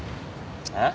えっ？